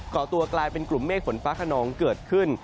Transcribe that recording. ่อตัวกลายเป็นกลุ่มเมฆฝนฟ้าขนองเกิดขึ้น